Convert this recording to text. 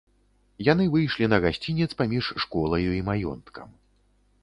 Яны выйшлі на гасцінец паміж школаю і маёнткам.